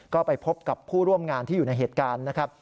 ก็ไปพบกับผู้ร่วมงานที่อยู่ในเหตุการณ์นะครับ